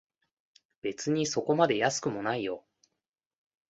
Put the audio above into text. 別にそこまで安くもないよ